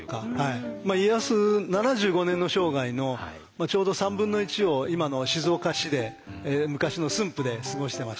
７５年の生涯のちょうど３分の１を今の静岡市で昔の駿府で過ごしてました。